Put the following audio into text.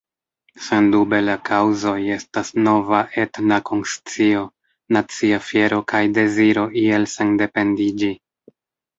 Sendube la kaŭzoj estas nova etna konscio, nacia fiero kaj deziro iel sendependiĝi.